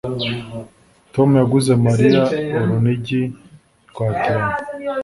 Tom yaguze Mariya urunigi rwa diyama